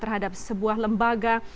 terhadap sebuah lembaga